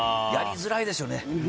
やりづらいですよね。